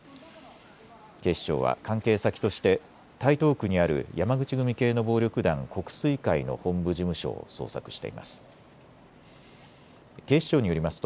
警視庁は関係先として台東区にある山口組系の暴力団、国粋会の本部事務所を捜索しています。